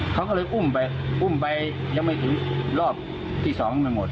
เขาก็เลยอุ้มไปอุ้มไปยังไม่ถึงรอบที่สองทั้งหมด